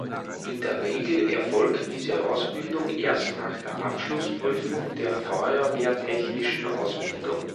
In der Regel erfolgt diese Ausbildung erst nach der Abschlussprüfung der feuerwehrtechnischen Ausbildung.